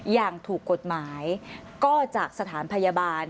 อย่างถูกกฎหมายก็จากสถานพยาบาล